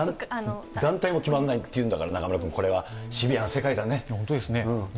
団体も決まんないっていうんだから、中丸君、シビアな世界だ本当ですね。